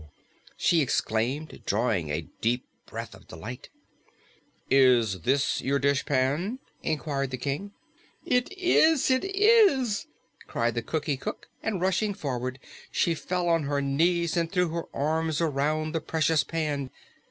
she exclaimed, drawing a deep breath of delight. "Is this your dishpan?" inquired the King. "It is, it is!" cried the Cookie Cook, and rushing forward, she fell on her knees and threw her arms around the precious pan.